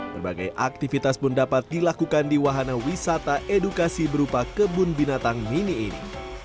berbagai aktivitas pun dapat dilakukan di wahana wisata edukasi berupa kebun binatang mini ini